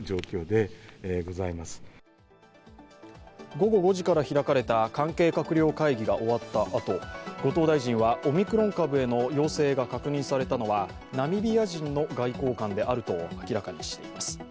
午後５時から開かれた関係閣僚会議が終わったあと後藤大臣はオミクロン株への陽性が確認されたのはナミビア人の外交官であると明らかにしています。